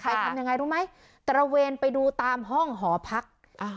ทำยังไงรู้ไหมตระเวนไปดูตามห้องหอพัก